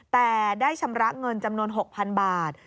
แต่ได้ชำระเงินจำนวน๖๐๐๐บาท